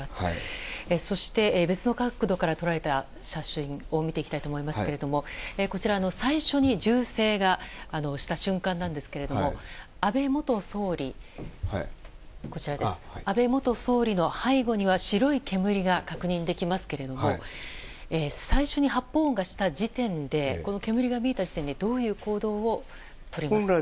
そして、別の角度から捉えた写真を見ていきたいんですがこちら最初に銃声がした瞬間なんですが安倍元総理の背後には白い煙が確認できますけれども最初に発砲音がした時点でこの煙が見えた時点でどういう行動をとりますか？